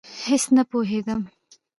هېڅ نه پوهېدم.